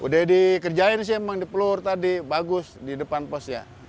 udah dikerjain sih emang di pelur tadi bagus di depan pos ya